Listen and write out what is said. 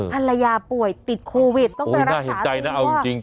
ภรรยาป่วยติดโควิดต้องไปรับน่าเห็นใจนะเอาจริง